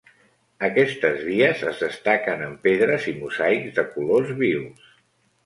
Aquestes vies es destaquen amb pedres i mosaics de colors vius.